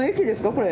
これ。